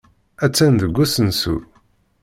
Attan deg usensu.